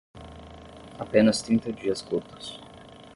Apenas trinta dias curtos.